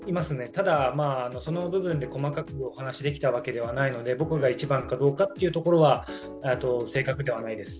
ただ、その部分で細かくお話できたわけではないので、僕が一番かどうかというところは正確ではないです。